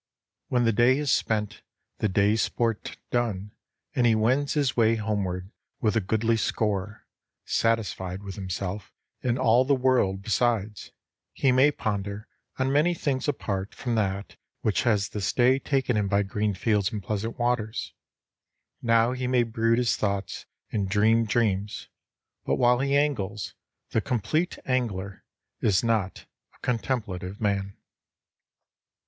When the day is spent, the day's sport done, and he wends his way homeward with a goodly score, satisfied with himself and all the world besides, he may ponder on many things apart from that which has this day taken him by green fields and pleasant waters. Now he may brood his thoughts, and dream dreams; but while he angles, the complete angler is not a contemplative man.